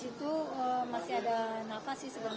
itu masih ada napas sebentar